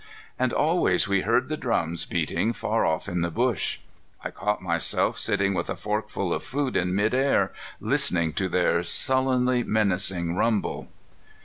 And always we heard the drums beating far off in the bush. I caught myself sitting with a fork full of food in mid air, listening to their sullenly menacing rumble.